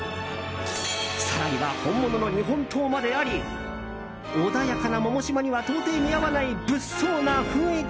更には本物の日本刀まであり穏やかな百島には到底似合わない物騒な雰囲気。